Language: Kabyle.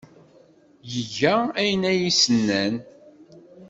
Iga ayen ay as-nnan.